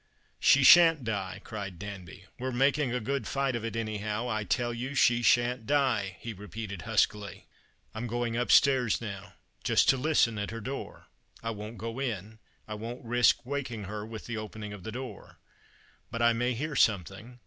" She shan't die," cried Danby. " We're making a good fight of it anyhow. I tell you she shan't die," he repeated huskily. •' I'm going upstairs now — ^just to listen at her door — I won't go in. I won't risk waking her with the opening of the door. But I may hear something.